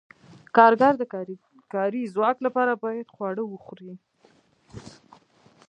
کارګر د کاري ځواک لپاره باید خواړه وخوري.